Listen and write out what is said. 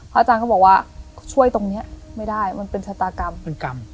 อาจารย์ก็บอกว่าช่วยตรงนี้ไม่ได้มันเป็นชะตากรรมเป็นกรรม